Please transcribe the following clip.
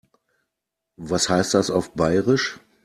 Was heißt das auf Bairisch?